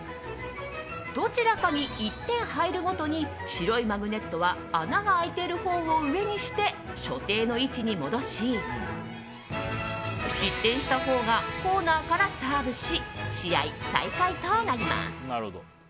どちらかに１点入るごとに白いマグネットは穴が開いているほうを上にして所定の位置に戻し失点したほうがコーナーからサーブし、試合再開となります。